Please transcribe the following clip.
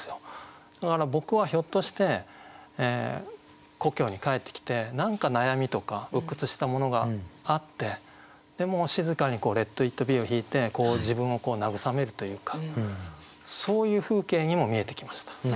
だから僕はひょっとして故郷に帰ってきて何か悩みとか鬱屈したものがあってでもう静かに「レット・イット・ビー」を弾いてこう自分を慰めるというかそういう風景にも見えてきました。